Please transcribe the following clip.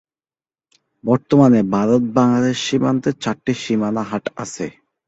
বর্তমানে ভারত-বাংলাদেশ সীমান্তে চারটি সীমানা হাট আছে।